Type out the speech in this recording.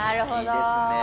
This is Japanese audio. いいですね。